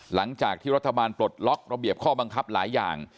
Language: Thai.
หลังจากที่รัฐบาลปลดล็อกระเบียบข้อบังคับหลายอย่าง